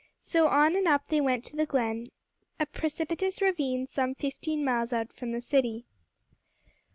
So on and up they went to the Glen, a precipitous ravine some fifteen miles out from the city.